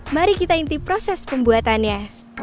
mari kita inti proses pembuatannya